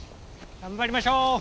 頑張りましょう！